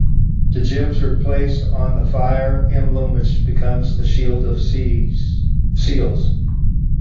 The gems are placed on the Fire Emblem, which becomes the Shield of Seals.